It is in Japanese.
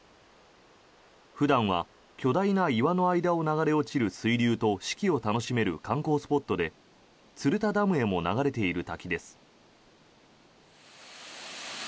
普段は巨大な岩の間を流れ落ちる水流と四季を楽しめる観光スポットで鶴田ダムへも流れている滝です。